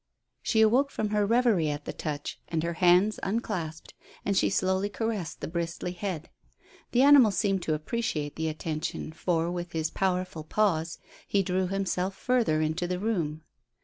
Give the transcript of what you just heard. She awoke from her reverie at the touch, and her hands unclasped, and she slowly caressed the bristly head. The animal seemed to appreciate the attention, for, with his powerful paws, he drew himself further into the room.